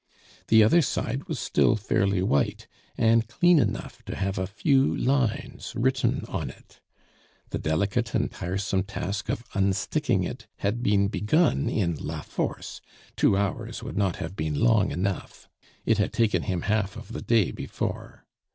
The other side was still fairly white, and clean enough to have a few lines written on it. The delicate and tiresome task of unsticking it had been begun in La Force; two hours would not have been long enough; it had taken him half of the day before.